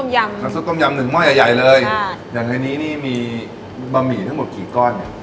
อย่างอันนี้มีบะหมี่ทั้งหมดกี่ก้อน